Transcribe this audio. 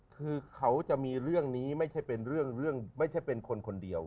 คือเขาจะมีเรื่องนี้ไม่ใช่เป็นเรื่องไม่ใช่เป็นคนคนเดียว